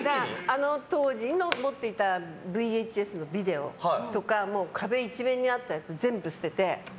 あの当時、持っていたＶＨＳのビデオとか壁一面にあったやつ全部捨てて。